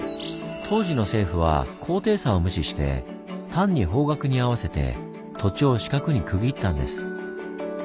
当時の政府は高低差を無視して単に方角に合わせて土地を四角に区切ったんです。